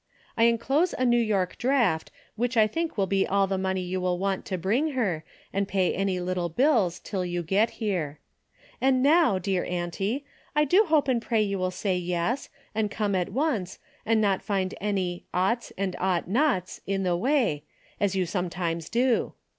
I enclose a New York draft which I think will be all the money you will want to bring her, and pay any little bills till you get here. And now, dear auntie, I do hope and pray you will say yes, and come at once, and not find any 'oughts, and ought nots' in the way, as you sometimes do.